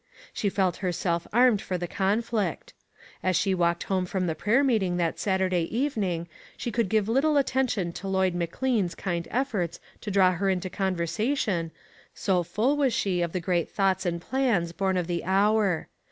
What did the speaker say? She felt herself armed for the con flict. As she walked home from the prayer meeting that Saturday evening she could give little attention to Lloyd McLean's kind efforts to draw her into conversation, so full was she of the great thoughts and plans born of the hour.